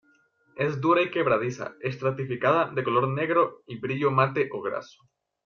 Es dura y quebradiza, estratificada, de color negro y brillo mate o graso.